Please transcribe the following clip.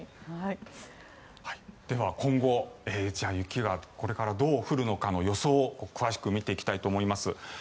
今後雪がどう降るのかの予想を詳しく見ていきたいと思います。